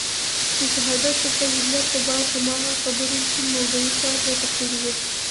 د شهادت د فضيلت په باب هماغه خبرې چې مولوي صاحب راته کړې وې.